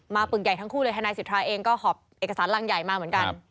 ปึกใหญ่ทั้งคู่เลยทนายสิทธาเองก็หอบเอกสารรังใหญ่มาเหมือนกัน